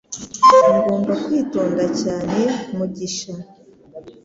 Ngomba kwitonda cyane, mugisha